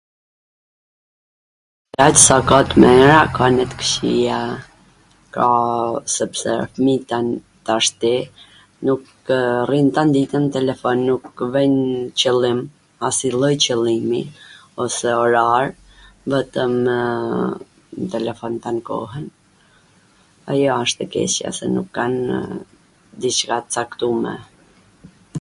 Aq sa ka t mira ka ene t kwqia, sepse fmit jan tashti nukw ... rrin tan ditwn n telefon, nukw vejn qwllim, asnjw lloj qwllimi, ose orar, vetwmw nw telefon tan kohwn. Ajo asht e keqja se nuk kanw diCka t caktume.